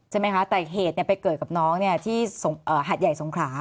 ใช่ไหมคะแต่เหตุไปเกิดกับน้องที่หัดใหญ่สงขรา